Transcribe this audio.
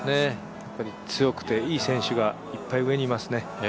強くていい選手がいっぱい上にいますね。